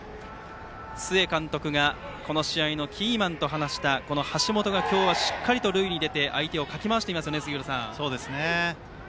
須江監督がこの試合のキーマンと話した橋本が今日はしっかりと塁に出て相手をかき回しています。